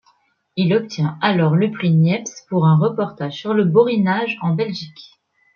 Il obtient alors le prix Niépce pour un reportage sur le Borinage en Belgique.